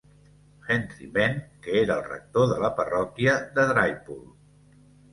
Henry Venn, que era el rector de la parròquia de Drypool.